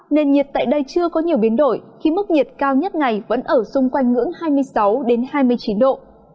nền nhiệt tại đây chưa có nhiều biến đổi khi mức nhiệt cao nhất ngày vẫn ở xung quanh ngưỡng hai mươi sáu hai mươi chín độ